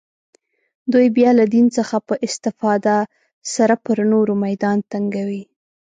دوی بیا له دین څخه په استفاده سره پر نورو میدان تنګوي